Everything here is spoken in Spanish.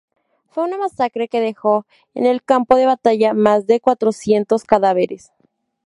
Fue una masacre que dejó en el campo de batalla más de cuatrocientos cadáveres.